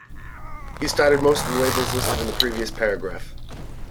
He started most of the labels listed in the previous paragraph.